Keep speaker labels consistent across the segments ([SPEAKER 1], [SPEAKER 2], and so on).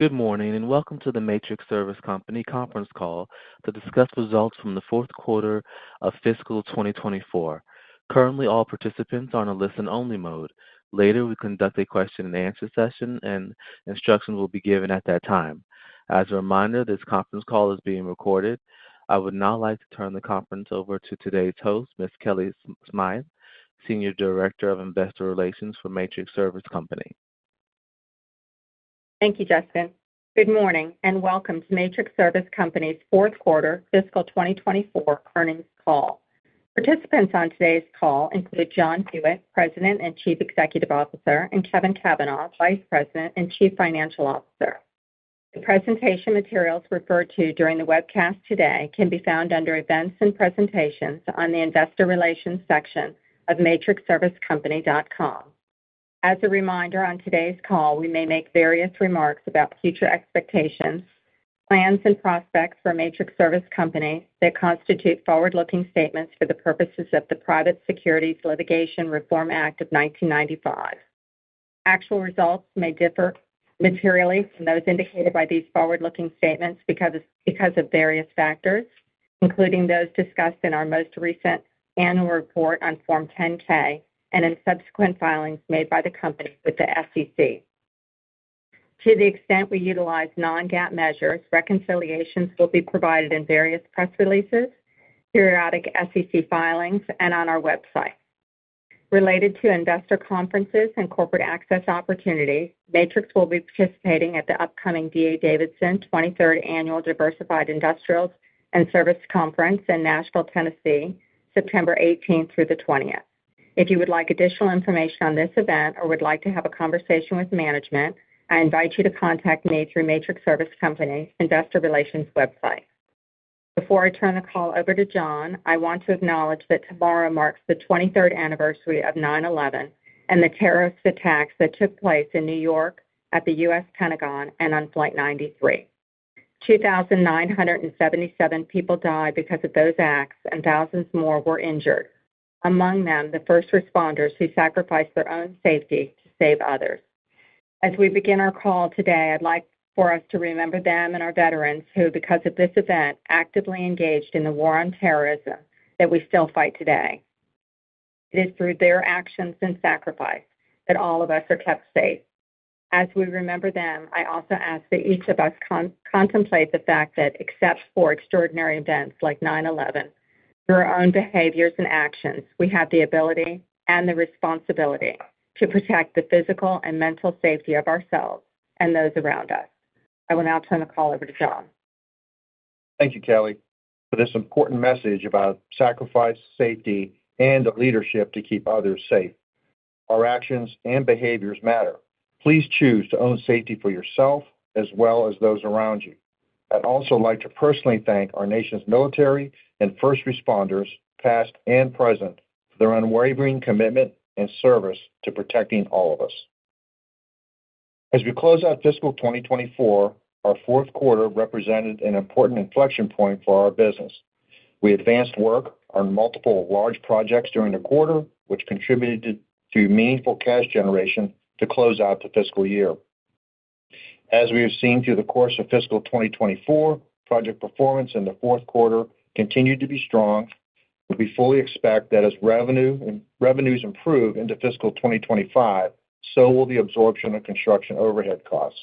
[SPEAKER 1] Good morning, and welcome to the Matrix Service Company conference call to discuss results from the fourth quarter of fiscal 2024. Currently, all participants are on a listen-only mode. Later, we conduct a question-and-answer session, and instructions will be given at that time. As a reminder, this conference call is being recorded. I would now like to turn the conference over to today's host, Ms. Kellie Smythe, Senior Director of Investor Relations for Matrix Service Company.
[SPEAKER 2] Thank you, Justin. Good morning, and welcome to Matrix Service Company's fourth quarter fiscal 2024 earnings call. Participants on today's call include John Hewitt, President and Chief Executive Officer, and Kevin Cavanah, Vice President and Chief Financial Officer. The presentation materials referred to during the webcast today can be found under Events and Presentations on the Investor Relations section of matrixservicecompany.com. As a reminder, on today's call, we may make various remarks about future expectations, plans, and prospects for Matrix Service Company that constitute forward-looking statements for the purposes of the Private Securities Litigation Reform Act of 1995. Actual results may differ materially from those indicated by these forward-looking statements because of various factors, including those discussed in our most recent annual report on Form 10-K and in subsequent filings made by the company with the SEC. To the extent we utilize non-GAAP measures, reconciliations will be provided in various press releases, periodic SEC filings, and on our website. Related to investor conferences and corporate access opportunity, Matrix will be participating at the upcoming D.A. Davidson 23rd Annual Diversified Industrials and Service Conference in Nashville, Tennessee, September eighteenth through the twentieth. If you would like additional information on this event or would like to have a conversation with management, I invite you to contact me through Matrix Service Company Investor Relations website. Before I turn the call over to John, I want to acknowledge that tomorrow marks the 23rd anniversary of 9/11 and the terrorist attacks that took place in New York, at the U.S. Pentagon, and on Flight 93. Two thousand nine hundred and 77 people died because of those acts, and thousands more were injured, among them, the first responders who sacrificed their own safety to save others. As we begin our call today, I'd like for us to remember them and our veterans who, because of this event, actively engaged in the war on terrorism that we still fight today. It is through their actions and sacrifice that all of us are kept safe. As we remember them, I also ask that each of us contemplate the fact that except for extraordinary events like 9/11, through our own behaviors and actions, we have the ability and the responsibility to protect the physical and mental safety of ourselves and those around us. I will now turn the call over to John.
[SPEAKER 3] Thank you, Kellie, for this important message about sacrifice, safety, and the leadership to keep others safe. Our actions and behaviors matter. Please choose to own safety for yourself as well as those around you. I'd also like to personally thank our nation's military and first responders, past and present, for their unwavering commitment and service to protecting all of us. As we close out fiscal 2024, our fourth quarter represented an important inflection point for our business. We advanced work on multiple large projects during the quarter, which contributed to meaningful cash generation to close out the fiscal year. As we have seen through the course of fiscal 2024, project performance in the fourth quarter continued to be strong, but we fully expect that as revenues improve into fiscal 2025, so will the absorption of construction overhead costs.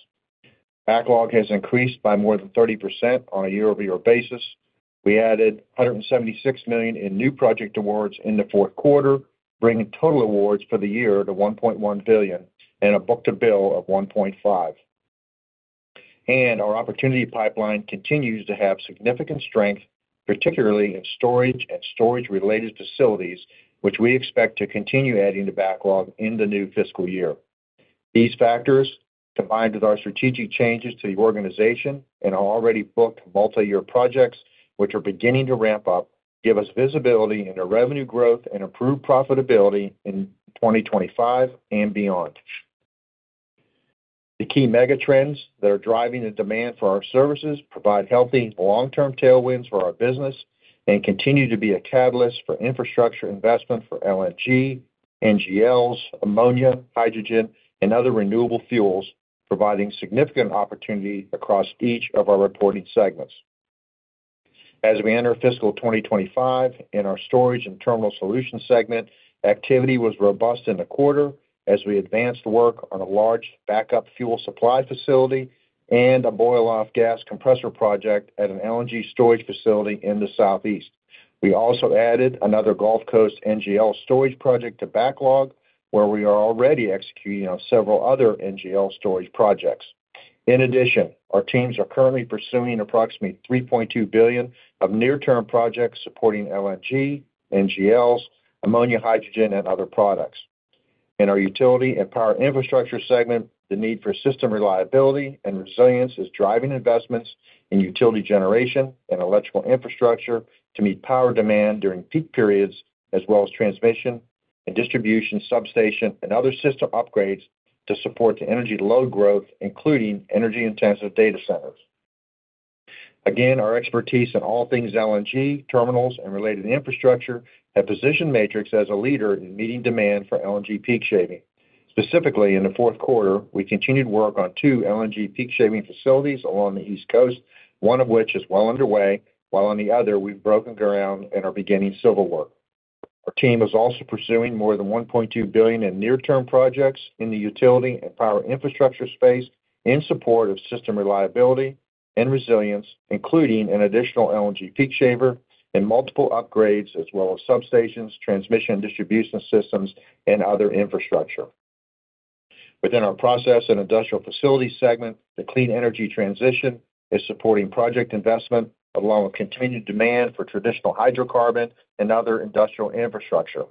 [SPEAKER 3] Backlog has increased by more than 30% on a year-over-year basis. We added $176 million in new project awards in the fourth quarter, bringing total awards for the year to $1.1 billion and a book-to-bill of 1.5, and our opportunity pipeline continues to have significant strength, particularly in storage and storage-related facilities, which we expect to continue adding to backlog in the new fiscal year. These factors, combined with our strategic changes to the organization and our already booked multiyear projects, which are beginning to ramp up, give us visibility into revenue growth and improved profitability in 2025 and beyond. The key mega trends that are driving the demand for our services provide healthy long-term tailwinds for our business and continue to be a catalyst for infrastructure investment for LNG, NGLs, ammonia, hydrogen, and other renewable fuels, providing significant opportunity across each of our reporting segments. As we enter fiscal 2025, in our Storage and Terminal Solutions segment, activity was robust in the quarter as we advanced work on a large backup fuel supply facility and a boil-off gas compressor project at an LNG storage facility in the Southeast. We also added another Gulf Coast NGL storage project to backlog, where we are already executing on several other NGL storage projects. In addition, our teams are currently pursuing approximately $3.2 billion of near-term projects supporting LNG, NGLs, ammonia, hydrogen, and other products. In our Utility and Power Infrastructure segment, the need for system reliability and resilience is driving investments in utility generation and electrical infrastructure to meet power demand during peak periods, as well as transmission and distribution, substation, and other system upgrades to support the energy load growth, including energy-intensive data centers. Again, our expertise in all things LNG, terminals, and related infrastructure have positioned Matrix as a leader in meeting demand for LNG peak shaving. Specifically, in the fourth quarter, we continued work on two LNG peak shaving facilities along the East Coast, one of which is well underway, while on the other, we've broken ground and are beginning civil work. Our team is also pursuing more than $1.2 billion in near-term projects in the utility and power infrastructure space in support of system reliability and resilience, including an additional LNG peak shaver and multiple upgrades, as well as substations, transmission and distribution systems, and other infrastructure. Within our process and industrial facilities segment, the clean energy transition is supporting project investment, along with continued demand for traditional hydrocarbon and other industrial infrastructure.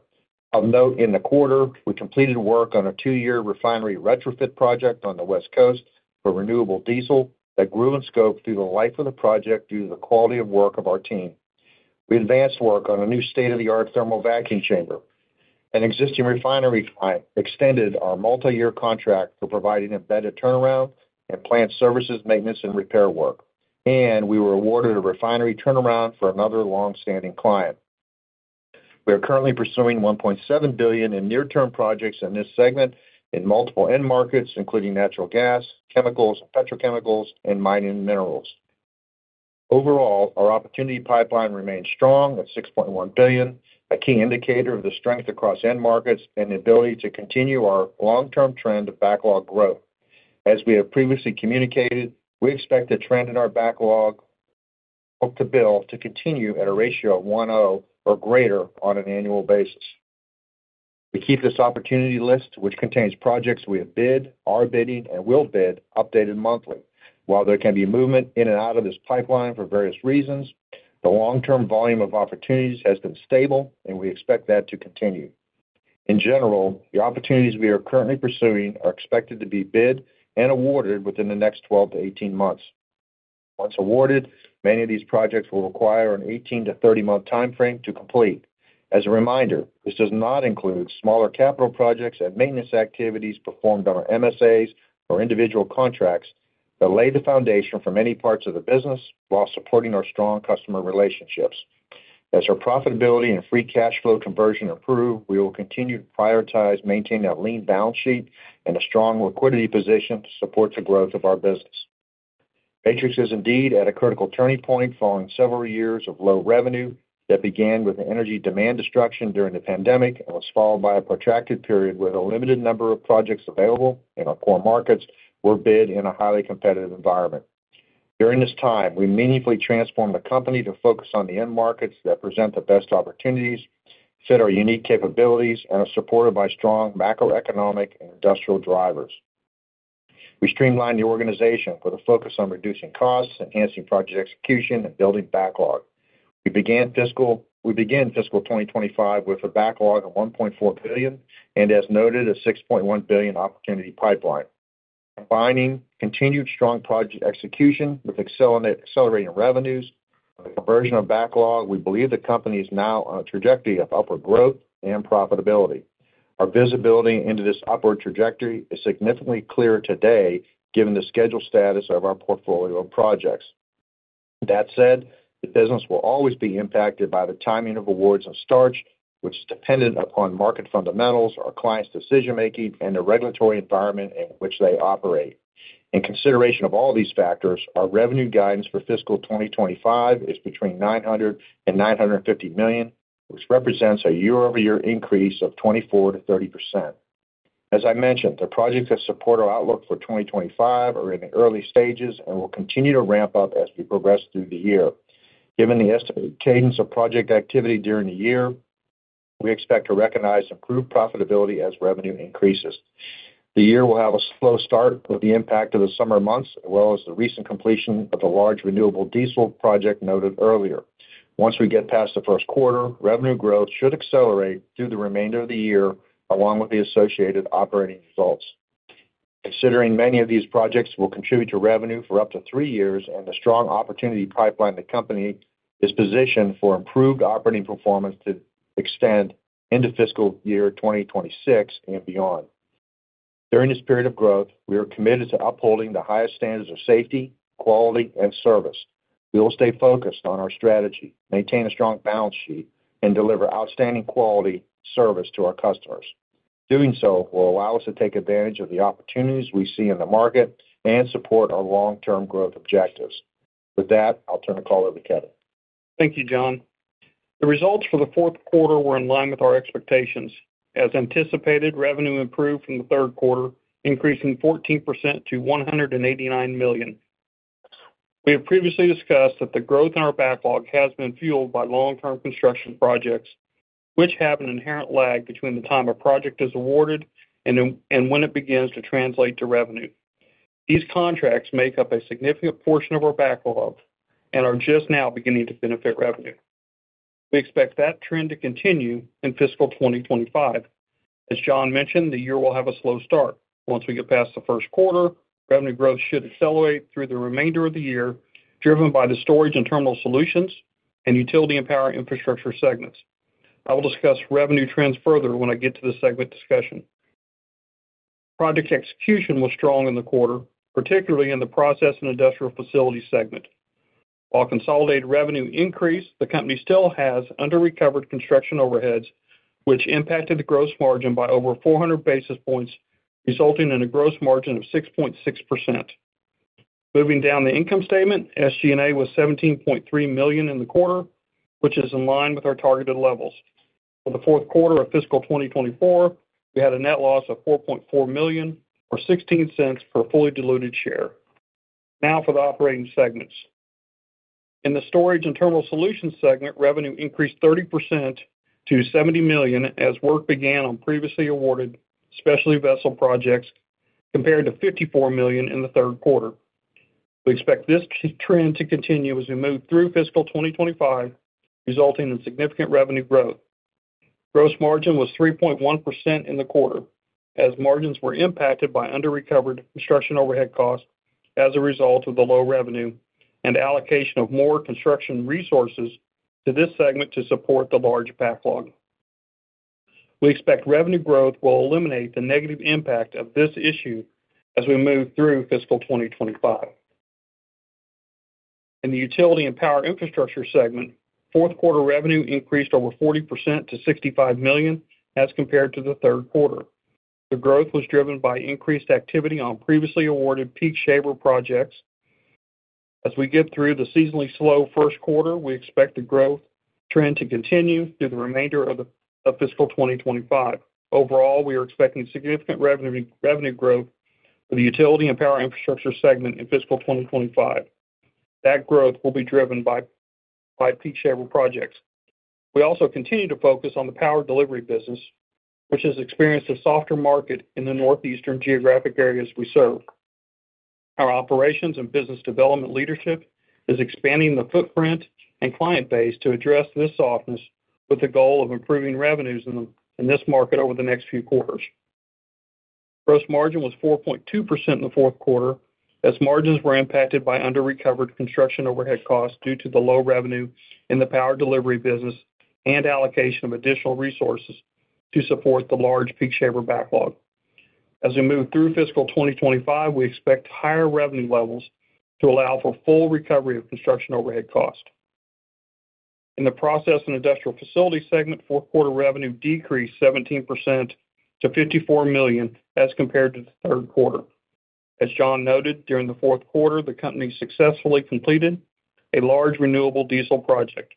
[SPEAKER 3] Of note, in the quarter, we completed work on a two-year refinery retrofit project on the West Coast for renewable diesel that grew in scope through the life of the project due to the quality of work of our team. We advanced work on a new state-of-the-art thermal vacuum chamber. An existing refinery client extended our multiyear contract for providing embedded turnaround and plant services, maintenance, and repair work, and we were awarded a refinery turnaround for another long-standing client. We are currently pursuing $1.7 billion in near-term projects in this segment in multiple end markets, including natural gas, chemicals, petrochemicals, and mining minerals. Overall, our opportunity pipeline remains strong at $6.1 billion, a key indicator of the strength across end markets and the ability to continue our long-term trend of backlog growth. As we have previously communicated, we expect the trend in our backlog book-to-bill to continue at a ratio of 1.0 or greater on an annual basis. We keep this opportunity list, which contains projects we have bid, are bidding, and will bid, updated monthly. While there can be movement in and out of this pipeline for various reasons, the long-term volume of opportunities has been stable, and we expect that to continue. In general, the opportunities we are currently pursuing are expected to be bid and awarded within the next twelve to eighteen months. Once awarded, many of these projects will require an eighteen to thirty-month timeframe to complete. As a reminder, this does not include smaller capital projects and maintenance activities performed on our MSAs or individual contracts that lay the foundation for many parts of the business while supporting our strong customer relationships. As our profitability and free cash flow conversion improve, we will continue to prioritize maintaining a lean balance sheet and a strong liquidity position to support the growth of our business. Matrix is indeed at a critical turning point following several years of low revenue that began with the energy demand destruction during the pandemic and was followed by a protracted period with a limited number of projects available in our core markets where bid in a highly competitive environment. During this time, we meaningfully transformed the company to focus on the end markets that present the best opportunities, fit our unique capabilities, and are supported by strong macroeconomic and industrial drivers. We streamlined the organization with a focus on reducing costs, enhancing project execution, and building backlog. We began fiscal 2025 with a backlog of $1.4 billion, and as noted, a $6.1 billion opportunity pipeline. Combining continued strong project execution with accelerating revenues and conversion of backlog, we believe the company is now on a trajectory of upward growth and profitability. Our visibility into this upward trajectory is significantly clearer today, given the schedule status of our portfolio of projects. That said, the business will always be impacted by the timing of awards and starts, which is dependent upon market fundamentals, our clients' decision-making, and the regulatory environment in which they operate. In consideration of all these factors, our revenue guidance for fiscal 2025 is between $900 million and $950 million, which represents a year-over-year increase of 24% to 30%. As I mentioned, the projects that support our outlook for 2025 are in the early stages and will continue to ramp up as we progress through the year. Given the estimated cadence of project activity during the year, we expect to recognize improved profitability as revenue increases. The year will have a slow start with the impact of the summer months, as well as the recent completion of the large renewable diesel project noted earlier. Once we get past the first quarter, revenue growth should accelerate through the remainder of the year, along with the associated operating results. Considering many of these projects will contribute to revenue for up to three years and the strong opportunity pipeline, the company is positioned for improved operating performance to extend into fiscal year 2026 and beyond. During this period of growth, we are committed to upholding the highest standards of safety, quality, and service. We will stay focused on our strategy, maintain a strong balance sheet, and deliver outstanding quality service to our customers. Doing so will allow us to take advantage of the opportunities we see in the market and support our long-term growth objectives. With that, I'll turn the call over to Kevin.
[SPEAKER 4] Thank you, John. The results for the fourth quarter were in line with our expectations. As anticipated, revenue improved from the third quarter, increasing 14% to $189 million. We have previously discussed that the growth in our backlog has been fueled by long-term construction projects, which have an inherent lag between the time a project is awarded and when it begins to translate to revenue. These contracts make up a significant portion of our backlog and are just now beginning to benefit revenue. We expect that trend to continue in fiscal 2025. As John mentioned, the year will have a slow start. Once we get past the first quarter, revenue growth should accelerate through the remainder of the year, driven by the Storage and Terminal Solutions and Utility and Power Infrastructure segments. I will discuss revenue trends further when I get to the segment discussion. Project execution was strong in the quarter, particularly in the Process and Industrial Facilities segment. While consolidated revenue increased, the company still has under-recovered construction overheads, which impacted the gross margin by over four hundred basis points, resulting in a gross margin of 6.6%. Moving down the income statement, SG&A was $17.3 million in the quarter, which is in line with our targeted levels. For the fourth quarter of fiscal 2024, we had a net loss of $4.4 million, or $0.16 per fully diluted share. Now for the operating segments. In the Storage and Terminal Solutions segment, revenue increased 30% to $70 million as work began on previously awarded specialty vessel projects, compared to $54 million in the third quarter. We expect this trend to continue as we move through fiscal 2025, resulting in significant revenue growth. Gross margin was 3.1% in the quarter, as margins were impacted by under-recovered construction overhead costs as a result of the low revenue and allocation of more construction resources to this segment to support the large backlog. We expect revenue growth will eliminate the negative impact of this issue as we move through fiscal 2025. In the Utility and Power Infrastructure segment, fourth quarter revenue increased over 40% to $65 million as compared to the third quarter. The growth was driven by increased activity on previously awarded peak shaving projects. As we get through the seasonally slow first quarter, we expect the growth trend to continue through the remainder of fiscal 2025. Overall, we are expecting significant revenue, revenue growth for the utility and power infrastructure segment in fiscal 2025. That growth will be driven by peak shaving projects. We also continue to focus on the power delivery business, which has experienced a softer market in the northeastern geographic areas we serve. Our operations and business development leadership is expanding the footprint and client base to address this softness, with the goal of improving revenues in this market over the next few quarters. Gross margin was 4.2% in the fourth quarter, as margins were impacted by under-recovered construction overhead costs due to the low revenue in the power delivery business and allocation of additional resources to support the large peak shaving backlog. As we move through fiscal 2025, we expect higher revenue levels to allow for full recovery of construction overhead cost. In the Process and Industrial Facilities segment, fourth quarter revenue decreased 17% to $54 million as compared to the third quarter. As John noted, during the fourth quarter, the company successfully completed a large renewable diesel project.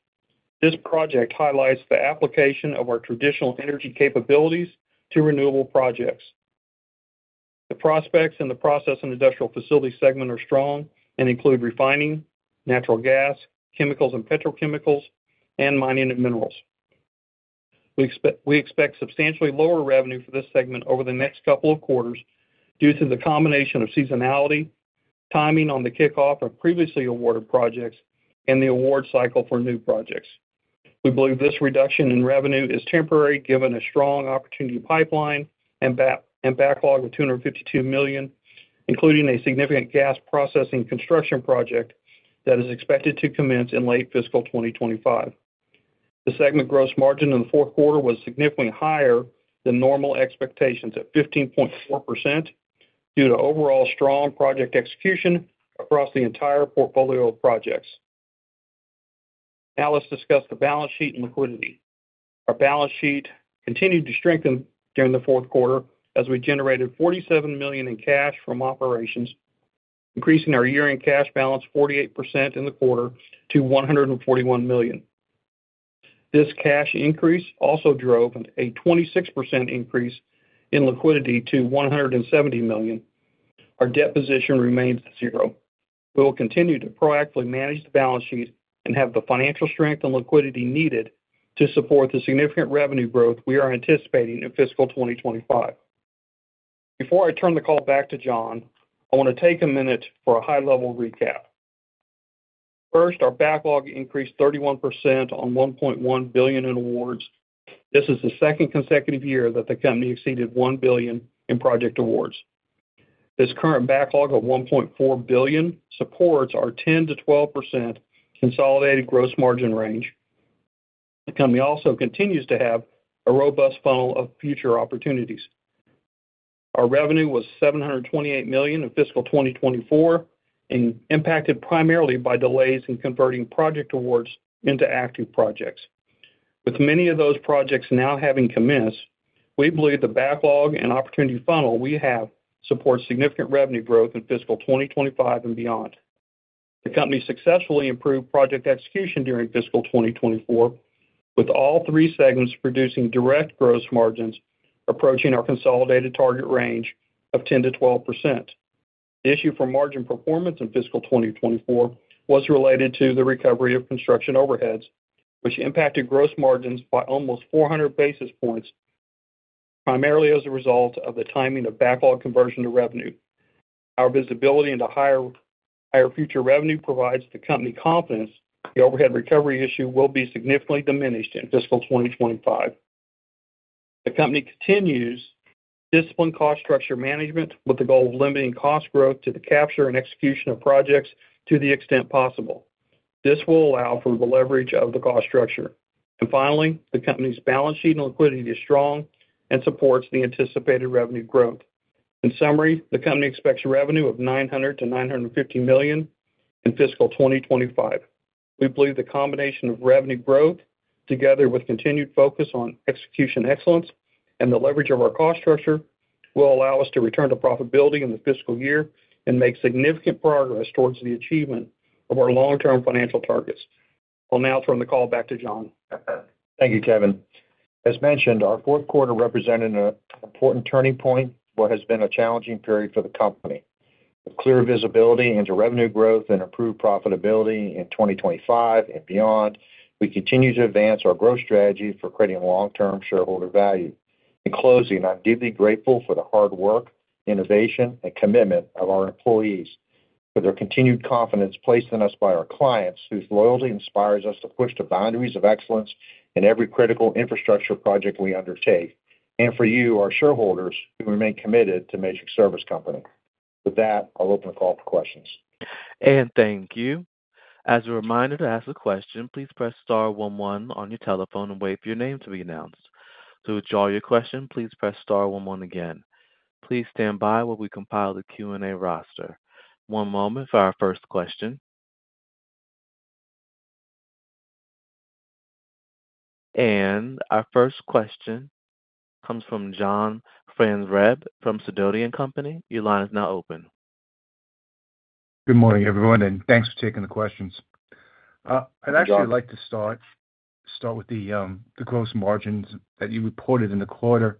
[SPEAKER 4] This project highlights the application of our traditional energy capabilities to renewable projects. The prospects in the Process and Industrial Facilities segment are strong and include refining, natural gas, chemicals and petrochemicals, and mining and minerals. We expect substantially lower revenue for this segment over the next couple of quarters due to the combination of seasonality, timing on the kickoff of previously awarded projects, and the award cycle for new projects. We believe this reduction in revenue is temporary, given a strong opportunity pipeline and backlog of $252 million, including a significant gas processing construction project that is expected to commence in late fiscal 2025. The segment gross margin in the fourth quarter was significantly higher than normal expectations, at 15.4%, due to overall strong project execution across the entire portfolio of projects. Now let's discuss the balance sheet and liquidity. Our balance sheet continued to strengthen during the fourth quarter as we generated $47 million in cash from operations, increasing our year-end cash balance 48% in the quarter to $141 million. This cash increase also drove a 26% increase in liquidity to $170 million. Our debt position remains zero. We will continue to proactively manage the balance sheet and have the financial strength and liquidity needed to support the significant revenue growth we are anticipating in fiscal 2025. Before I turn the call back to John, I want to take a minute for a high-level recap. First, our backlog increased 31% on $1.1 billion in awards. This is the second consecutive year that the company exceeded $1 billion in project awards. This current backlog of $1.4 billion supports our 10%-12% consolidated gross margin range. The company also continues to have a robust funnel of future opportunities. Our revenue was $728 million in fiscal 2024, and impacted primarily by delays in converting project awards into active projects. With many of those projects now having commenced, we believe the backlog and opportunity funnel we have supports significant revenue growth in fiscal 2025 and beyond. The company successfully improved project execution during fiscal 2024, with all three segments producing direct gross margins approaching our consolidated target range of 10%-12%. The issue for margin performance in fiscal 2024 was related to the recovery of construction overheads, which impacted gross margins by almost 400 basis points, primarily as a result of the timing of backlog conversion to revenue. Our visibility into higher future revenue provides the company confidence the overhead recovery issue will be significantly diminished in fiscal 2025. The company continues disciplined cost structure management, with the goal of limiting cost growth to the capture and execution of projects to the extent possible. This will allow for the leverage of the cost structure. Finally, the company's balance sheet and liquidity is strong and supports the anticipated revenue growth. In summary, the company expects revenue of $900 million-$950 million in fiscal 2025. We believe the combination of revenue growth, together with continued focus on execution excellence and the leverage of our cost structure, will allow us to return to profitability in the fiscal year and make significant progress towards the achievement of our long-term financial targets. I'll now turn the call back to John.
[SPEAKER 3] Thank you, Kevin. As mentioned, our fourth quarter represented an important turning point in what has been a challenging period for the company. With clear visibility into revenue growth and improved profitability in 2025 and beyond, we continue to advance our growth strategy for creating long-term shareholder value. In closing, I'm deeply grateful for the hard work, innovation, and commitment of our employees, for their continued confidence placed in us by our clients, whose loyalty inspires us to push the boundaries of excellence in every critical infrastructure project we undertake, and for you, our shareholders, we remain committed to Matrix Service Company. With that, I'll open the call for questions.
[SPEAKER 1] And thank you. As a reminder, to ask a question, please press star one one on your telephone and wait for your name to be announced. To withdraw your question, please press star one one again. Please stand by while we compile the Q&A roster. One moment for our first question. And our first question comes from John Franzreb from Sidoti & Company. Your line is now open.
[SPEAKER 5] Good morning, everyone, and thanks for taking the questions. I'd actually like to start with the gross margins that you reported in the quarter.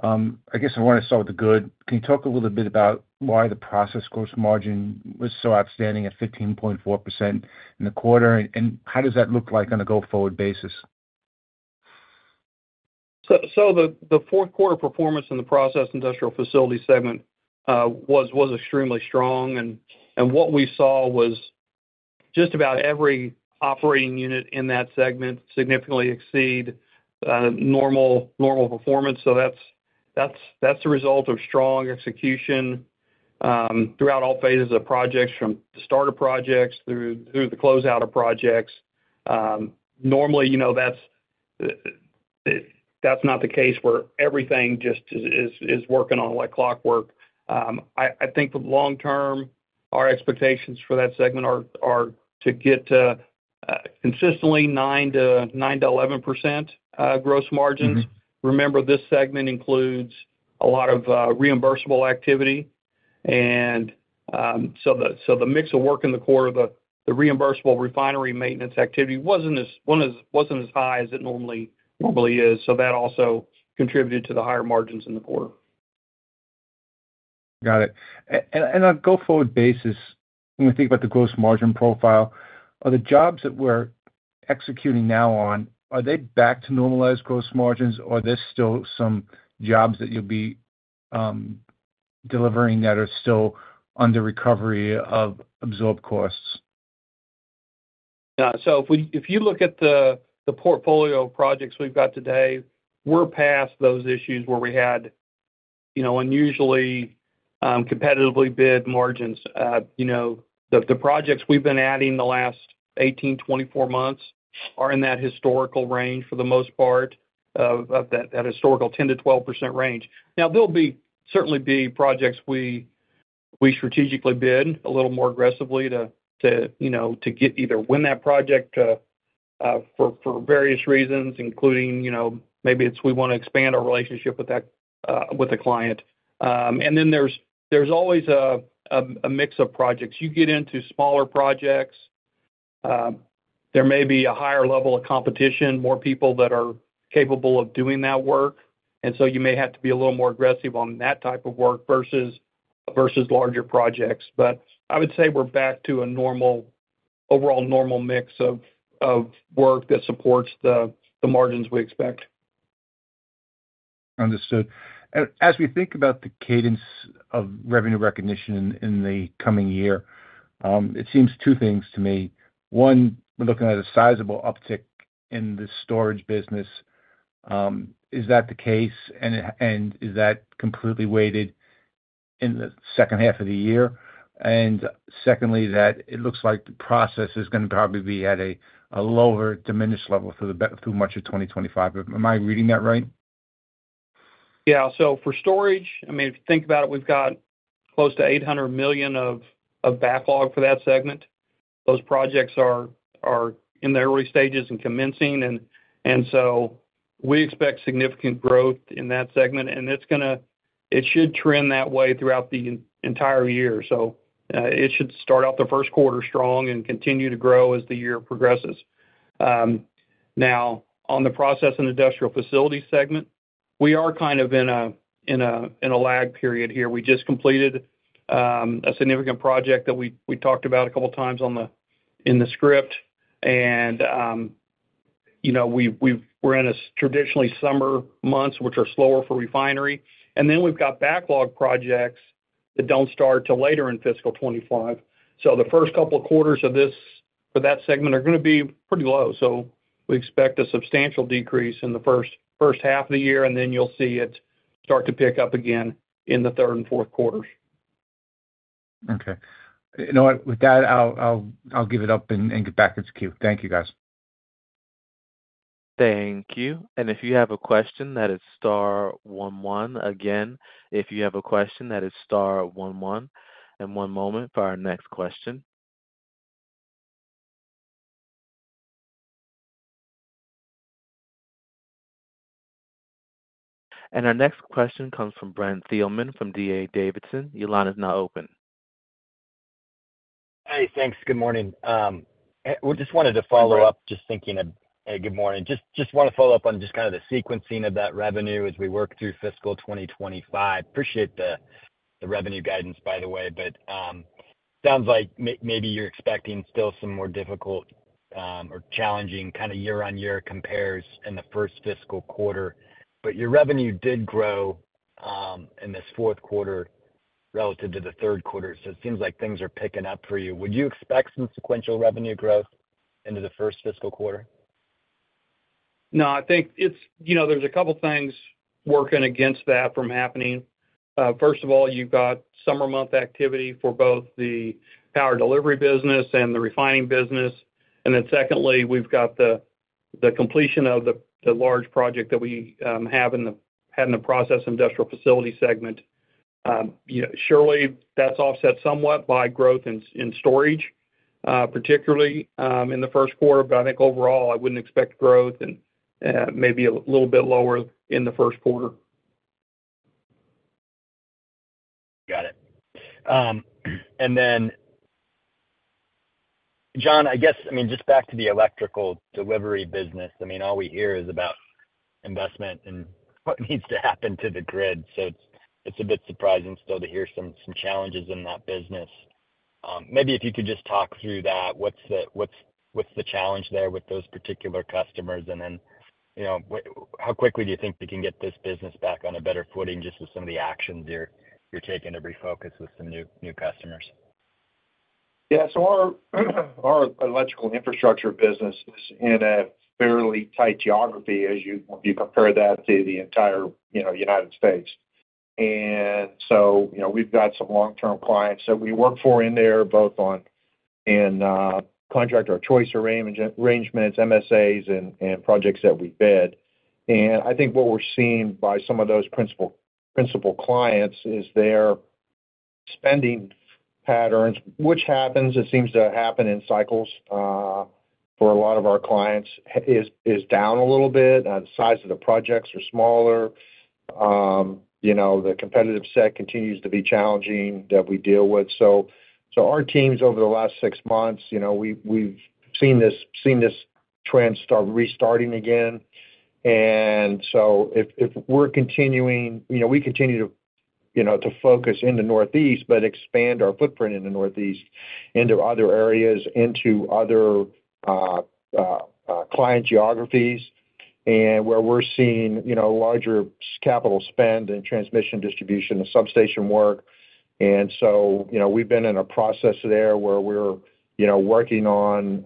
[SPEAKER 5] I guess I wanna start with the good. Can you talk a little bit about why the process gross margin was so outstanding at 15.4% in the quarter, and how does that look like on a go-forward basis?
[SPEAKER 4] So the fourth quarter performance in the Process and Industrial Facilities segment was extremely strong, and what we saw was just about every operating unit in that segment significantly exceed normal performance. So that's the result of strong execution throughout all phases of projects, from the start of projects through the closeout of projects. Normally, you know, that's not the case where everything just is working like clockwork. I think the long term, our expectations for that segment are to get to consistently 9%-11% gross margins.
[SPEAKER 5] Mm-hmm.
[SPEAKER 4] Remember, this segment includes a lot of reimbursable activity, and so the mix of work in the quarter, the reimbursable refinery maintenance activity wasn't as high as it normally is, so that also contributed to the higher margins in the quarter.
[SPEAKER 5] Got it. And, on a go-forward basis, when we think about the gross margin profile, are the jobs that we're executing now on, are they back to normalized gross margins, or are there still some jobs that you'll be delivering that are still under recovery of absorbed costs?
[SPEAKER 4] Yeah, so if you look at the portfolio of projects we've got today, we're past those issues where we had, you know, unusually competitively bid margins. You know, the projects we've been adding the last eighteen, twenty-four months are in that historical range, for the most part, of that historical 10%-12% range. Now, there'll certainly be projects we strategically bid a little more aggressively to, you know, to get either win that project for various reasons, including, you know, maybe it's we wanna expand our relationship with that with the client. And then there's always a mix of projects. You get into smaller projects, there may be a higher level of competition, more people that are capable of doing that work, and so you may have to be a little more aggressive on that type of work versus larger projects. But I would say we're back to a normal, overall normal mix of work that supports the margins we expect.
[SPEAKER 5] Understood. As we think about the cadence of revenue recognition in the coming year, it seems two things to me. One, we're looking at a sizable uptick in the storage business. Is that the case? And is that completely weighted in the second half of the year? And secondly, that it looks like the process is gonna probably be at a lower diminished level through much of 2025. Am I reading that right?
[SPEAKER 4] Yeah. So for storage, I mean, if you think about it, we've got close to $800 million of backlog for that segment. Those projects are in the early stages and commencing, and so we expect significant growth in that segment, and it's gonna. It should trend that way throughout the entire year. So, it should start off the first quarter strong and continue to grow as the year progresses. Now, on the process and industrial facilities segment, we are kind of in a lag period here. We just completed a significant project that we talked about a couple of times on the, in the script. And, you know, we're in a traditionally summer months, which are slower for refinery, and then we've got backlog projects that don't start till later in fiscal 2025. So the first couple of quarters of this, for that segment, are gonna be pretty low. So we expect a substantial decrease in the first half of the year, and then you'll see it start to pick up again in the third and fourth quarters....
[SPEAKER 3] Okay. You know what? With that, I'll give it up and get back into queue. Thank you, guys.
[SPEAKER 1] Thank you. And if you have a question, that is star one one. Again, if you have a question, that is star one one. And one moment for our next question. And our next question comes from Brent Thielman from D.A. Davidson. Your line is now open.
[SPEAKER 6] Hey, thanks. Good morning. We just wanted to follow up, just thinking of-
[SPEAKER 3] Hey, good morning.
[SPEAKER 6] Hey, good morning. Just wanna follow up on just kind of the sequencing of that revenue as we work through fiscal 2025. Appreciate the revenue guidance, by the way, but sounds like maybe you're expecting still some more difficult or challenging kind of year-on-year compares in the first fiscal quarter. But your revenue did grow in this fourth quarter relative to the third quarter, so it seems like things are picking up for you. Would you expect some sequential revenue growth into the first fiscal quarter?
[SPEAKER 3] No, I think it's you know, there's a couple things working against that from happening. First of all, you've got summer month activity for both the power delivery business and the refining business. And then secondly, we've got the completion of the large project that we had in the Process and Industrial Facilities segment. You know, surely, that's offset somewhat by growth in storage, particularly, in the first quarter. But I think overall, I wouldn't expect growth and maybe a little bit lower in the first quarter.
[SPEAKER 6] Got it. And then, John, I guess—I mean, just back to the electrical delivery business. I mean, all we hear is about investment and what needs to happen to the grid. So it's a bit surprising still to hear some challenges in that business. Maybe if you could just talk through that. What's the challenge there with those particular customers? And then, you know, how quickly do you think we can get this business back on a better footing just with some of the actions you're taking to refocus with some new customers?
[SPEAKER 3] Yeah, so our electrical infrastructure business is in a fairly tight geography, as you compare that to the entire, you know, United States. And so, you know, we've got some long-term clients that we work for in there, both contract or choice arrangements, MSAs and projects that we bid. And I think what we're seeing by some of those principal clients is their spending patterns, which happens, it seems to happen in cycles, for a lot of our clients, is down a little bit, and the size of the projects are smaller. You know, the competitive set continues to be challenging that we deal with. So our teams, over the last six months, you know, we've seen this trend start restarting again. And so if we're continuing you know, we continue to, you know, to focus in the Northeast, but expand our footprint in the Northeast into other areas, into other client geographies, and where we're seeing, you know, larger capital spend and transmission and distribution and substation work. And so, you know, we've been in a process there where we're, you know, working on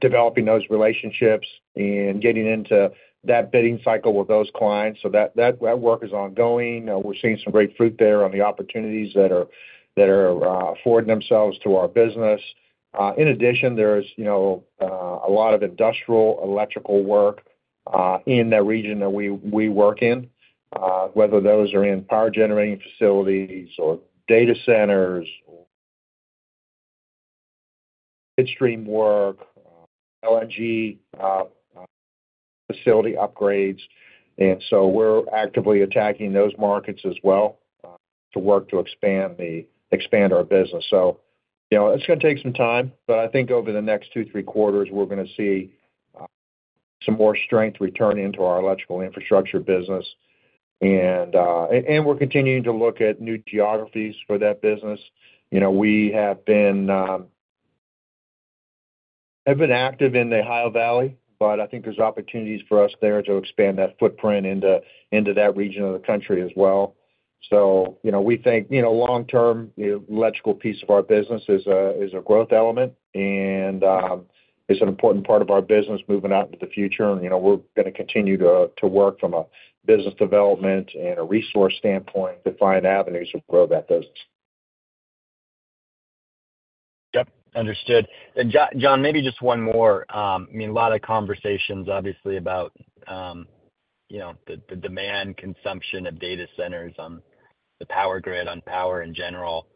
[SPEAKER 3] developing those relationships and getting into that bidding cycle with those clients. That work is ongoing. We're seeing some great fruit there on the opportunities that are affording themselves to our business. In addition, there's, you know, a lot of industrial electrical work in that region that we work in, whether those are in power generating facilities or data centers, midstream work, LNG facility upgrades. And so we're actively attacking those markets as well to work to expand our business. So, you know, it's gonna take some time, but I think over the next two, three quarters, we're gonna see some more strength returning to our electrical infrastructure business. And we're continuing to look at new geographies for that business. You know, we have been active in the Ohio Valley, but I think there's opportunities for us there to expand that footprint into that region of the country as well. So, you know, we think, you know, long term, the electrical piece of our business is a growth element and is an important part of our business moving out into the future. You know, we're gonna continue to work from a business development and a resource standpoint to find avenues to grow that business.
[SPEAKER 6] Yep, understood. And John, maybe just one more. I mean, a lot of conversations, obviously, about you know, the demand consumption of data centers on the power grid, on power in general.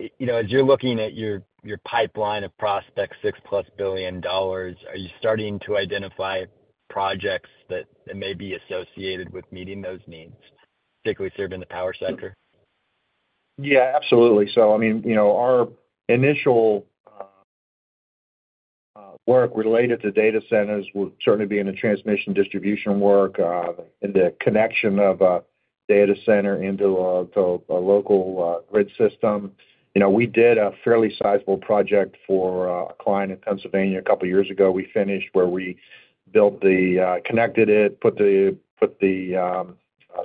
[SPEAKER 6] You know, as you're looking at your pipeline of prospects, $6-plus billion, are you starting to identify projects that may be associated with meeting those needs, particularly serving the power sector?
[SPEAKER 3] Yeah, absolutely. So I mean, you know, our initial work related to data centers would certainly be in the transmission distribution work and the connection of a data center into a to a local grid system. You know, we did a fairly sizable project for a client in Pennsylvania a couple of years ago. We finished where we built the connected it, put the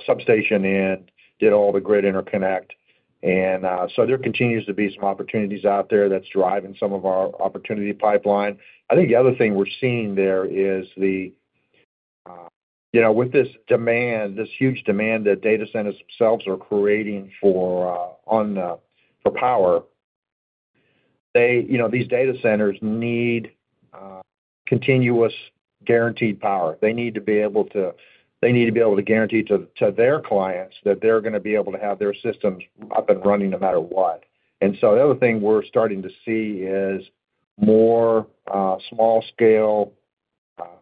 [SPEAKER 3] substation in, did all the grid interconnect. And so there continues to be some opportunities out there that's driving some of our opportunity pipeline. I think the other thing we're seeing there is, you know, with this demand, this huge demand that data centers themselves are creating for power, they, you know, these data centers need continuous guaranteed power. They need to be able to guarantee to their clients that they're gonna be able to have their systems up and running no matter what, and so the other thing we're starting to see is more small-scale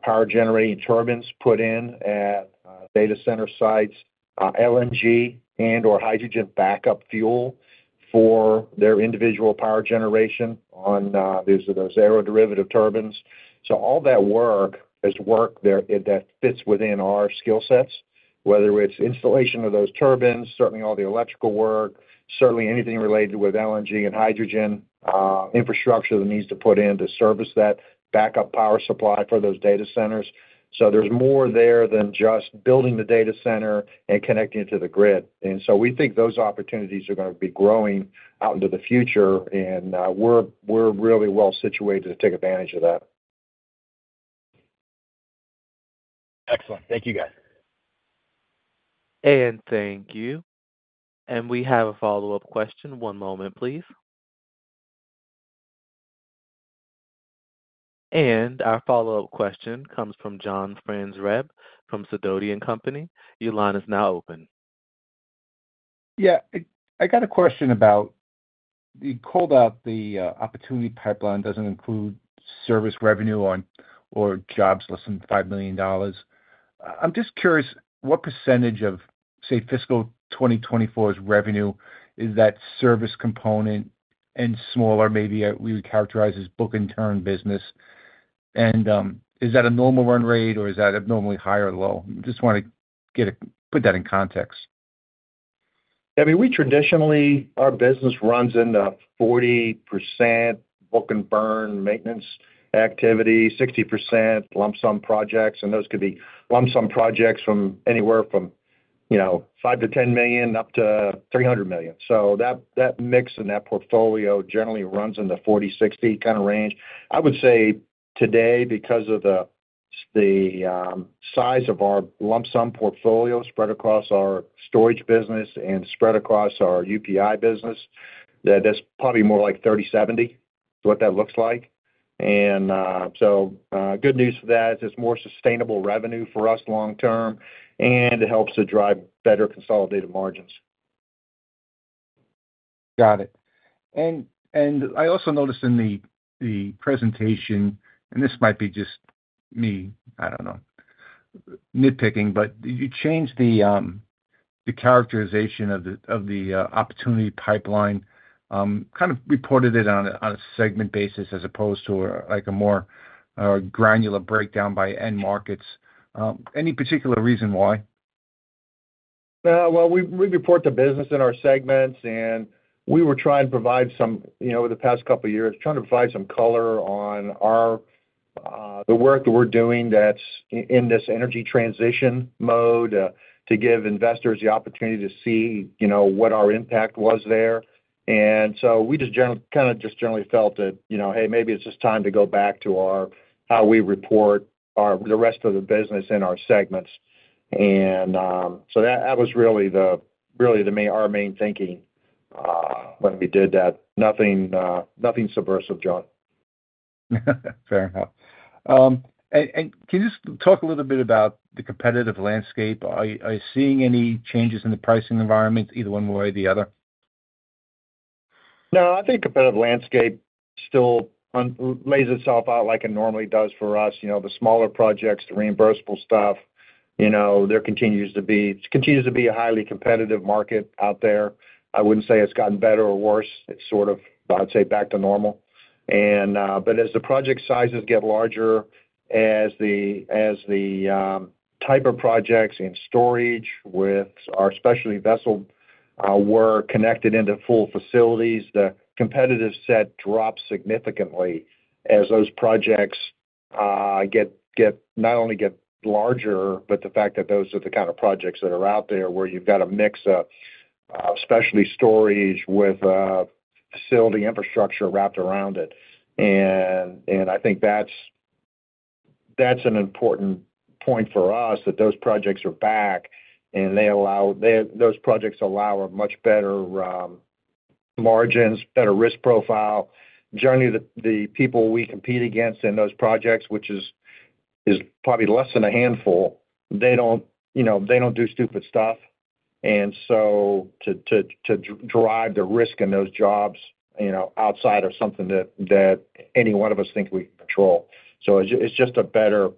[SPEAKER 3] power-generating turbines put in at data center sites, LNG and/or hydrogen backup fuel for their individual power generation on. These are those aeroderivative turbines, so all that work is work there that fits within our skill sets, whether it's installation of those turbines, certainly all the electrical work, certainly anything related with LNG and hydrogen infrastructure that needs to put in to service that backup power supply for those data centers, so there's more there than just building the data center and connecting it to the grid. And so we think those opportunities are gonna be growing out into the future, and we're really well situated to take advantage of that.
[SPEAKER 5] Excellent. Thank you, guys.
[SPEAKER 1] Thank you. We have a follow-up question. One moment, please. Our follow-up question comes from John Franzreb from Sidoti & Company. Your line is now open.
[SPEAKER 5] Yeah. I got a question about... You called out the opportunity pipeline doesn't include service revenue or jobs less than five million dollars. I'm just curious, what percentage of, say, fiscal 2024's revenue is that service component and smaller, maybe we would characterize as book-and-turn business? And is that a normal run rate, or is that abnormally high or low? Just wanna put that in context.
[SPEAKER 3] I mean, we traditionally, our business runs in the 40% book-to-bill maintenance activity, 60% lump sum projects, and those could be lump sum projects from anywhere from, you know, $5 million to $10 million, up to $300 million. So that, that mix and that portfolio generally runs in the 40-60 kind of range. I would say today, because of the size of our lump sum portfolio spread across our storage business and spread across our UPI business, that that's probably more like 30-70, is what that looks like. And, so, good news for that, it's more sustainable revenue for us long term, and it helps to drive better consolidated margins.
[SPEAKER 5] Got it. And I also noticed in the presentation, and this might be just me, I don't know, nitpicking, but you changed the characterization of the opportunity pipeline, kind of reported it on a segment basis as opposed to, like, a more granular breakdown by end markets. Any particular reason why?
[SPEAKER 3] Well, we report the business in our segments, and we were trying to provide some, you know, over the past couple of years, trying to provide some color on our, the work that we're doing that's in this energy transition mode, to give investors the opportunity to see, you know, what our impact was there. And so we just kind of just generally felt that, you know, hey, maybe it's just time to go back to our, how we report the rest of the business in our segments. And so that was really our main thinking when we did that. Nothing, nothing subversive, John.
[SPEAKER 5] Fair enough. And can you just talk a little bit about the competitive landscape? Are you seeing any changes in the pricing environment, either one way or the other?
[SPEAKER 3] No, I think competitive landscape still unfolds itself out like it normally does for us. You know, the smaller projects, the reimbursable stuff, you know, it continues to be a highly competitive market out there. I wouldn't say it's gotten better or worse. It's sort of, I'd say, back to normal. And but as the project sizes get larger, as the type of projects in storage with our specialty vessel, we're connected into full facilities, the competitive set drops significantly as those projects get, not only get larger, but the fact that those are the kind of projects that are out there, where you've got a mix of specialty storage with facility infrastructure wrapped around it. I think that's an important point for us, that those projects are back, and they allow – those projects allow a much better margins, better risk profile. Generally, the people we compete against in those projects, which is probably less than a handful, they don't, you know, they don't do stupid stuff. And so to derive the risk in those jobs, you know, outside of something that any one of us think we can control. So it's just a better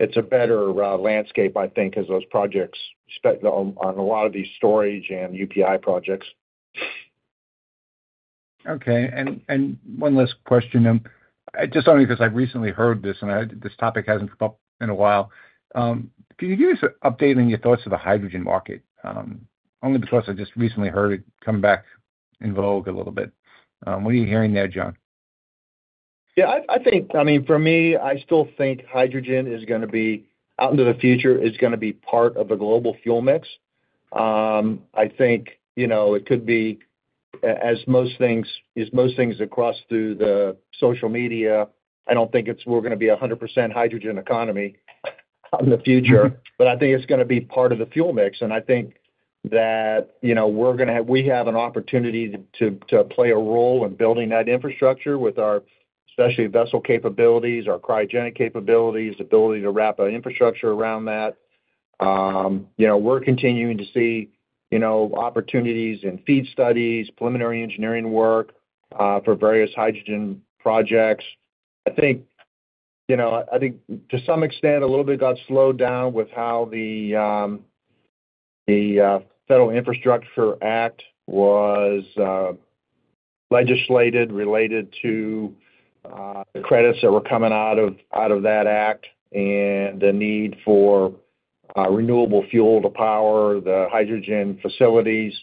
[SPEAKER 3] landscape, I think, as those projects spent on a lot of these storage and UPI projects.
[SPEAKER 5] Okay, and one last question, just only because I've recently heard this, and this topic hasn't come up in a while. Can you give us an update on your thoughts of the hydrogen market? Only because I just recently heard it come back in vogue a little bit. What are you hearing there, John?
[SPEAKER 3] Yeah, I think, I mean, for me, I still think hydrogen is gonna be, out into the future, is gonna be part of the global fuel mix. I think, you know, it could be as most things across through the social media, I don't think it's we're gonna be 100% hydrogen economy in the future, but I think it's gonna be part of the fuel mix. I think that, you know, we're gonna have we have an opportunity to play a role in building that infrastructure with our, especially vessel capabilities, our cryogenic capabilities, ability to wrap our infrastructure around that. You know, we're continuing to see, you know, opportunities in feed studies, preliminary engineering work for various hydrogen projects. I think, you know, I think to some extent, a little bit got slowed down with how the, the, Federal Infrastructure Act was, legislated related to, the credits that were coming out of, out of that act and the need for, renewable fuel to power the hydrogen facilities.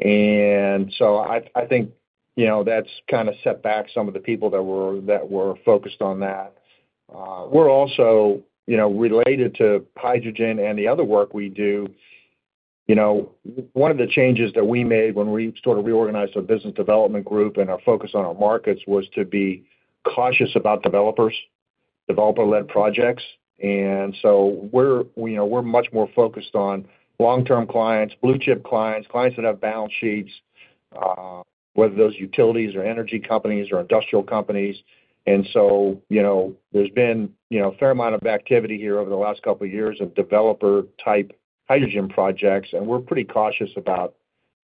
[SPEAKER 3] And so I, I think, you know, that's kind of set back some of the people that were, that were focused on that. We're also, you know, related to hydrogen and the other work we do, you know, one of the changes that we made when we sort of reorganized our business development group and our focus on our markets was to be cautious about developers, developer-led projects. And so we're, you know, we're much more focused on long-term clients, blue-chip clients, clients that have balance sheets, whether those utilities or energy companies or industrial companies. And so, you know, there's been, you know, a fair amount of activity here over the last couple of years of developer-type hydrogen projects, and we're pretty cautious about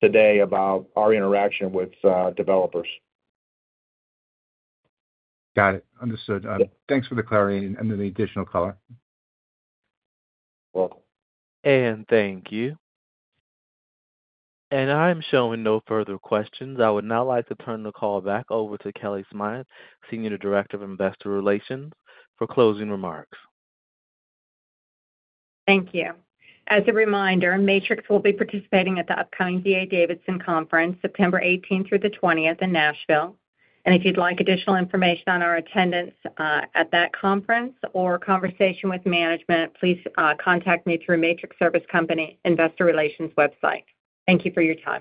[SPEAKER 3] today about our interaction with developers.
[SPEAKER 5] Got it. Understood.
[SPEAKER 3] Yeah.
[SPEAKER 5] Thanks for the clarity and the additional color.
[SPEAKER 3] Welcome.
[SPEAKER 1] Thank you. I'm showing no further questions. I would now like to turn the call back over to Kellie Smythe, Senior Director of Investor Relations, for closing remarks.
[SPEAKER 2] Thank you. As a reminder, Matrix will be participating at the upcoming D.A. Davidson conference, September eighteenth through the twentieth in Nashville. And if you'd like additional information on our attendance at that conference or conversation with management, please contact me through Matrix Service Company Investor Relations website. Thank you for your time.